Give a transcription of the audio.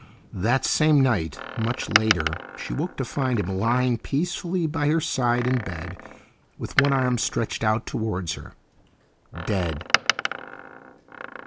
That same night, much later, she woke to find him lying peacefully by her side in bed, with one arm stretched out towards her, dead.